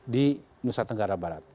di nusa tenggara barat